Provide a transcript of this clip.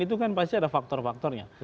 itu kan pasti ada faktor faktornya